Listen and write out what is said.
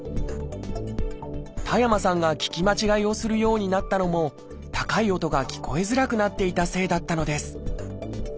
田山さんが聞き間違えをするようになったのも高い音が聞こえづらくなっていたせいだったのです。